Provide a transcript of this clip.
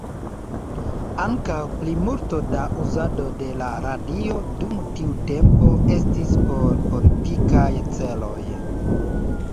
Ankaŭ plimulto da uzado de la radio dum tiu tempo estis por politikaj celoj.